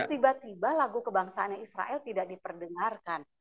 tiba tiba lagu kebangsaannya israel tidak diperdengarkan